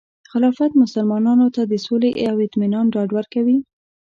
خلافت مسلمانانو ته د سولې او اطمینان ډاډ ورکوي.